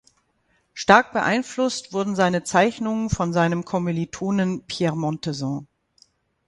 Stark beeinflusst wurden seine Zeichnungen von seinem Kommilitonen "Pierre Montezin".